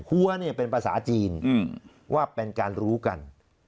หัวเนี่ยเป็นภาษาจีนว่าเป็นการรู้กัน